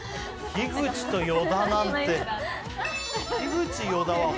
樋口と与田なんて。